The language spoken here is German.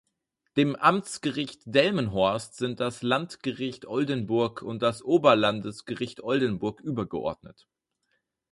Dem Amtsgericht Delmenhorst sind das Landgericht Oldenburg und das Oberlandesgericht Oldenburg übergeordnet.